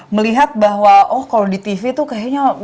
melihat bahwa oh kalau di tv tuh kayaknya